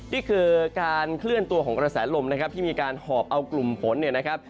นี่คือการเคลื่อนตัวของกระแสลมนะครับที่มีการหอบเอากลุ่มฝนเนี่ยนะครับ